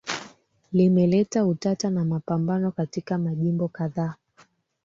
limeleta utata na mapambano katika majimbo kadhaa